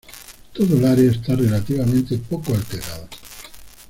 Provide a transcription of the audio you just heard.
Toda el área está relativamente poco alterada.